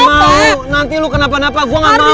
nggak mau nanti lu kenapa kenapa gue nggak mau